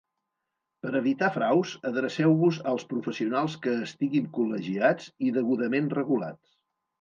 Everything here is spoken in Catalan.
Per evitar fraus, adreceu-vos als professionals que estiguin col·legiats i degudament regulats.